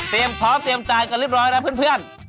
เตรียมชอบเตรียมจ่ายกันเรียบร้อยนะเพื่อน